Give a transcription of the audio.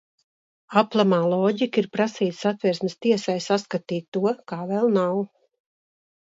Aplamā loģika ir prasīt Satversmes tiesai skatīt to, kā vēl nav.